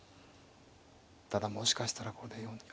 ただもしかしたらこれで。